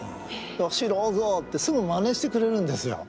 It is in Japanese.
「知らざあ」ってすぐまねしてくれるんですよ。